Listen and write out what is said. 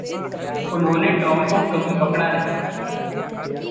उन्होंने टॉम को कभी पकड़ा नहीं।